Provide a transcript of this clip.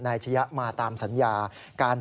นายอาชญามาตามสัญญาการ